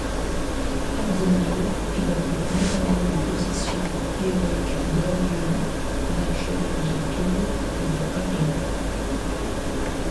Cardinal, il occupe notamment les positions d'évêque d'Orléans, d'archevêque de Tours puis de Paris.